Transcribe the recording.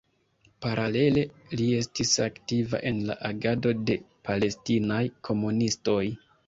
Paralele li estis aktiva en la agado de palestinaj komunistoj.